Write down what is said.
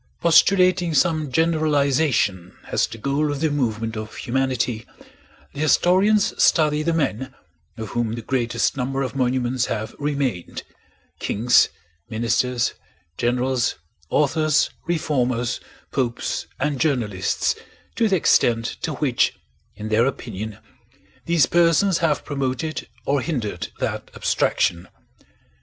Postulating some generalization as the goal of the movement of humanity, the historians study the men of whom the greatest number of monuments have remained: kings, ministers, generals, authors, reformers, popes, and journalists, to the extent to which in their opinion these persons have promoted or hindered that abstraction.